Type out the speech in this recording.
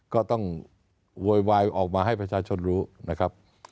ก็ต้องโวยวายออกมาให้ประชาชนรู้นะครับ